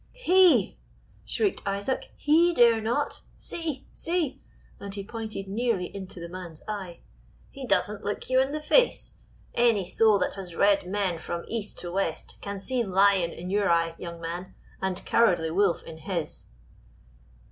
"He!" shrieked Isaac, "he dare not! see! see!" and he pointed nearly into the man's eye, "he doesn't look you in the face. Any soul that has read men from east to west can see lion in your eye, young man, and cowardly wolf in his."